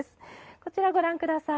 こちら、ご覧ください